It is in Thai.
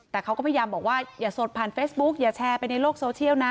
แต่เขาก็พยายามบอกว่าอย่าสดผ่านเฟซบุ๊กอย่าแชร์ไปในโลกโซเชียลนะ